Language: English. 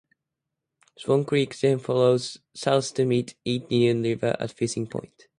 Swan Creek then flows south to meet Indian River at Fishing Point.